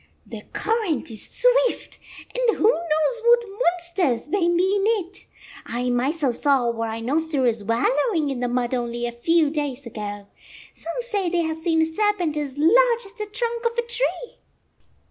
" The current is swift, and who knows what monsters may be in it ? I myself saw a rhinoceros wallowing in the mud only a few days ago. Some say they have seen a serpent as large as the trunk of a tree."